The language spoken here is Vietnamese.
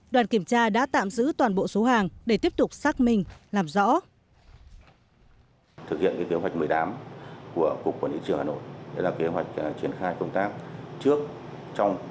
đoàn kiểm tra đã tạm giữ toàn bộ số hàng để tiếp tục xác minh làm rõ